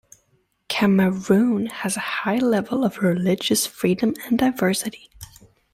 Cameroon has a high level of religious freedom and diversity.